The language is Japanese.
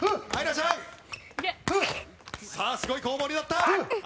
さあすごい攻防になった！